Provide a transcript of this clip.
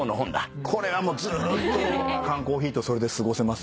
これはもうずーっと缶コーヒーとそれで過ごせます。